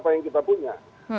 apa yang kita punya